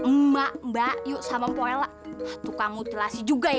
emak mbak yuk sama poela tukang mutilasi juga ya